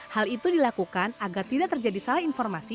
hal itu dilakukan agar tidak terjadi salah informasi